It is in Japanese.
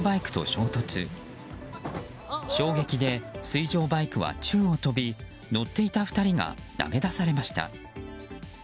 衝撃で水上バイクは宙を飛び乗っていた２人が投げ出されました。